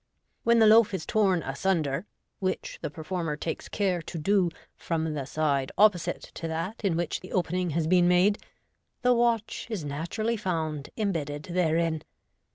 When the loaf is torn asunder (which the performer takes care to do from the side opposite to that in which the opening has been made), the watch is naturally found imbedded therein.